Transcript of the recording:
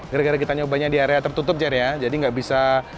gara gara kita nyobainnya di area tertutup jadi nggak bisa